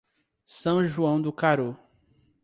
São João do Caru